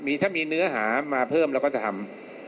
ถ้ามีเนื้อหามาเพิ่มเราก็จะทำ